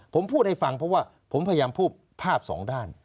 ผมพูดให้ฟังเพราะว่าผมพยายามพูดภาพสองด้าน